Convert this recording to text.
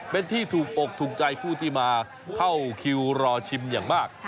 เป็นที่ถูกอกถูกใจผู้ที่มาเข้าคิวรอชิมอย่างมาก